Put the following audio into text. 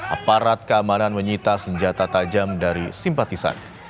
aparat keamanan menyita senjata tajam dari simpatisan